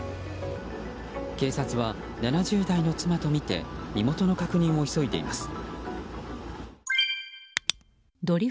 警察は７０代の妻とみて身元の確認を急いでいます。